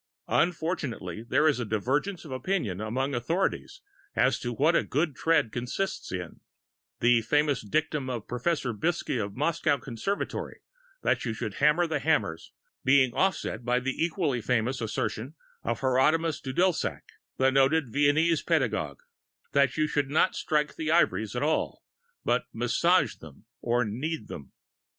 Unfortunately, there is a divergence of opinion among authorities as to what a good tread consists in; the famous dictum of Prof. Biffski, of Moscow Conservatory, that you should hammer the hammers, being offset by the equally famous assertion of Hieronimus Dudelsack, the noted Viennese pedagogue, that you should not strike the ivories at all, but massage, or knead them.